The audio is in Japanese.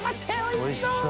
おいしそう！